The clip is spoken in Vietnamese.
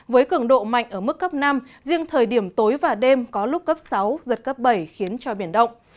với cường độ mạnh ở mức cấp năm riêng thời điểm tối và đêm có lúc cấp sáu giật cấp bảy khiến cho biển động